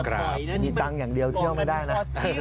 ครับมีตังค์อย่างเดียวเที่ยวไม่ได้นะ